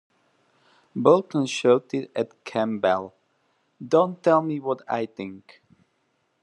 Boulton shouted at Campbell: "Don't tell me what I think".